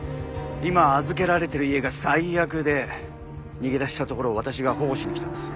今預けられてる家が最悪で逃げ出したところを私が保護しに来たんです。